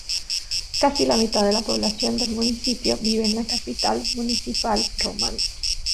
Casi la mitad de la población del municipio vive en la capital municipal Roman.